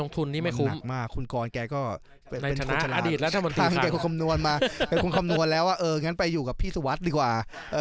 คุณกรแกก็เป็นคนคำนวณแล้วงั้นไปอยู่กับพี่สุวัสดีกว่า